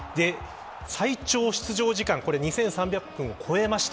最長出場時間２３００分を超えました。